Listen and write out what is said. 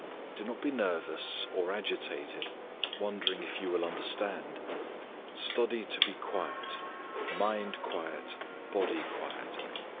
Do not be nervous, or agitated, wondering if you will understand. Study to be quiet; mind quiet, body quiet.